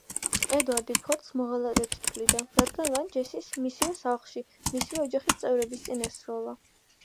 ედვარდი ფორდს მოღალატედ თვლიდა, რადგან მან ჯესის მისივე სახლში, მისივე ოჯახის წევრების წინ ესროლა.